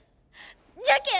じゃけえ